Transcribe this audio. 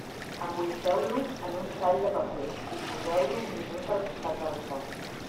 Emboliqueu-lo en un tall de paper i poseu-lo un minut al costat del foc.